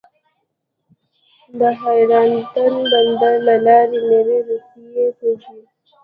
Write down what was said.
د حیرتان بندر له لارې میوې روسیې ته ځي.